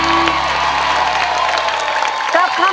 เก็บเอาไว้ก่อนคำว่าลาก่อนให้เป็นคือเก่าไอขอให้เจ้ากัน